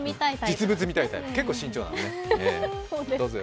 実物を見たいタイプ、結構慎重派なのよね。